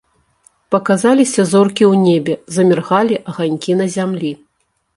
Паказаліся зоркі ў небе, заміргалі аганькі на зямлі.